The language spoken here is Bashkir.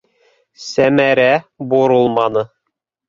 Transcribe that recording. Сәмәрә боролманы.